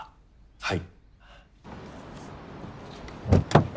はい。